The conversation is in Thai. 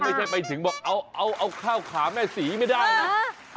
ไม่ใช่ไปถึงบอกเอาข้าวขาแม่ศรีไม่ได้นะ